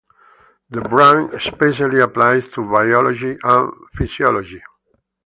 The branch especially applies to biology and physiology.